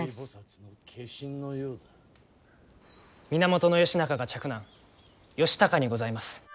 源義仲が嫡男義高にございます。